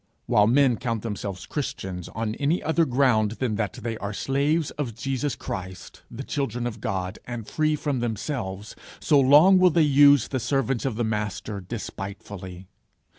While men count themselves Christians on any other ground than that they are slaves of Jesus Christ, the children of God, and free from themselves, so long will they use the servants of the Master despitefully.